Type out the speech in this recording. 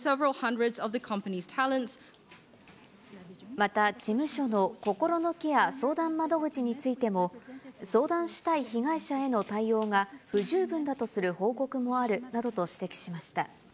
また事務所の心のケア相談窓口についても、相談したい被害者への対応が、不十分だとする報告もあるなどと指摘しました。